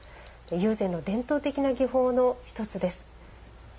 友禅の伝統的な技法の一つです。